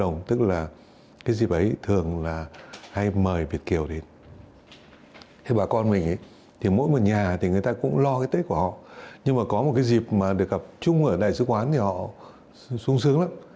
nhưng mà có một cái dịp mà được gặp chung ở đại sứ quán thì họ sung sướng lắm